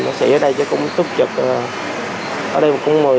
bác sĩ ở đây chắc cũng tốt chật ở đây cũng một mươi tháng rồi